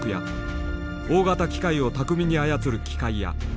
大型機械を巧みに操る機械屋。